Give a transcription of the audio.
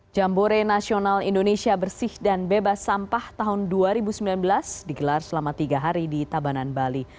jambore nasional indonesia bersih dan bebas sampah tahun dua ribu sembilan belas digelar selama tiga hari di tabanan bali